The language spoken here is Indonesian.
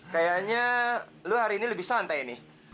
kayaknya lu hari ini lebih santai nih